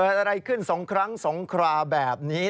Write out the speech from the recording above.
เกิดอะไรขึ้น๒ครั้งสงคราแบบนี้